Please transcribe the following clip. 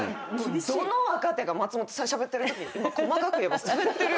どの若手が松本さんしゃべってるとき「細かくいえばスベってる」